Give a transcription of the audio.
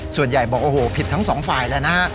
ส่วนใหญ่บอกโอ้โหผิดทั้งสองฝ่ายแล้วนะฮะ